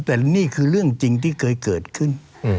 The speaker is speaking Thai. แต่นี่คือเรื่องจริงที่เคยเกิดขึ้น